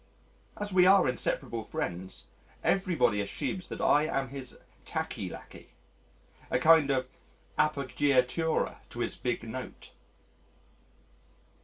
As we are inseparable friends everybody assumes that I am his tacky lacky, a kind of appoggiatura to his big note.